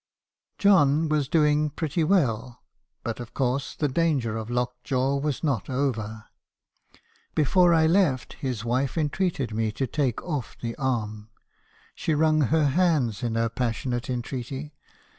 " John was doing pretty well ; but of course the danger of locked jaw was not over. Before 1 left, his wife entreated me to take off the arm ;— she wrung her hands in her passionate entreaty.